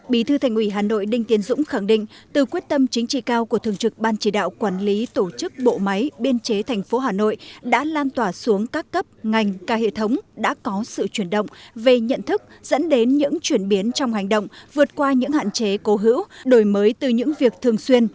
bí thư thành ủy hà nội đinh tiến dũng khẳng định từ quyết tâm chính trị cao của thường trực ban chỉ đạo quản lý tổ chức bộ máy biên chế thành phố hà nội đã lan tỏa xuống các cấp ngành ca hệ thống đã có sự chuyển động về nhận thức dẫn đến những chuyển biến trong hành động vượt qua những hạn chế cố hữu đổi mới từ những việc thường xuyên